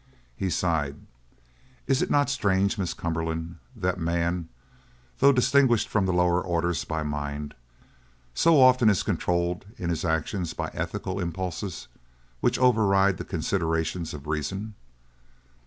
He sighed. "Is it not strange, Miss Cumberland, that man, though distinguished from the lower orders by mind, so often is controlled in his actions by ethical impulses which override the considerations of reason?